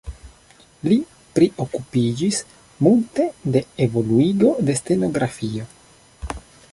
Li priokupiĝis multe de evoluigo de stenografio.